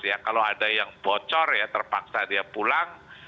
ya kalau ada yang bocor ya terpaksa dia pulang